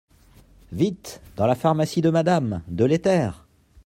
Vite ! dans la pharmacie de Madame… de l’éther !